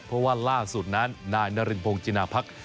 เพราะว่าล่าสุดนั้นนายนารินพงศินาพักษ